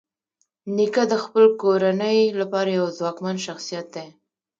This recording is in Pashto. نیکه د خپلې کورنۍ لپاره یو ځواکمن شخصیت دی.